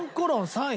３位？